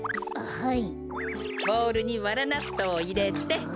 はい！